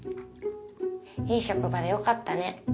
いい職場でよかったね。